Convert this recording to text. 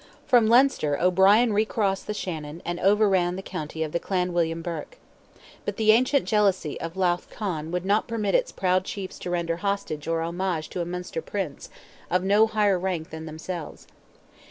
From Leinster O'Brien recrossed the Shannon, and overran the country of the Clan William Burke. But the ancient jealousy of Leath Conn would not permit its proud chiefs to render hostage or homage to a Munster Prince, of no higher rank than themselves.